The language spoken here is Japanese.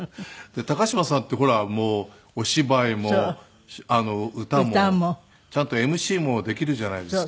高島さんってほらお芝居も歌もちゃんとＭＣもできるじゃないですか。